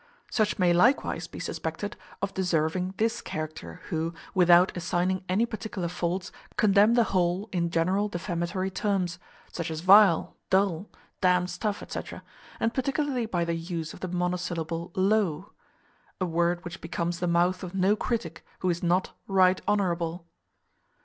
Such may likewise be suspected of deserving this character, who, without assigning any particular faults, condemn the whole in general defamatory terms; such as vile, dull, d d stuff, &c., and particularly by the use of the monosyllable low; a word which becomes the mouth of no critic who is not RIGHT HONOURABLE.